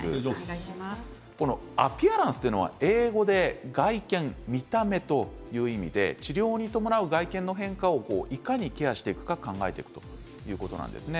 アピアランスというのは英語で外見見た目という意味で治療に伴う外見の変化をいかにケアしていくか考えていくということなんですね。